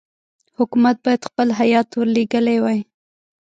حکومت باید خپل هیات ورلېږلی وای.